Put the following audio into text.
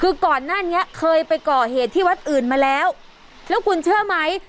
คือก่อนหน้านี้เคยไปก่อเหตุที่วัดอื่นมาแล้วแล้วคุณเชื่อไหม